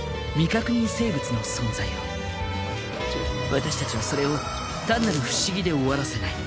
私たちはそれを単なる不思議で終わらせない。